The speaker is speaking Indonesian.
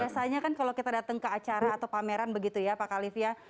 biasanya kan kalau kita datang ke acara atau pameran begitu ya pak khalif ya